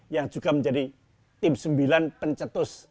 yang juga menjadi tim sembilan pencetus